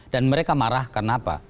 dan mereka marah karena apa